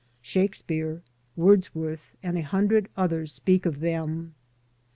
Shakespeare, Wordsworth, and a hundred others ^ speak of them.